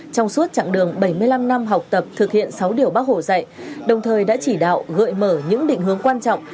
trong suốt chặng đường bảy mươi năm năm học tập thực hiện sáu điều bác hồ dạy đồng thời đã chỉ đạo gợi mở những định hướng quan trọng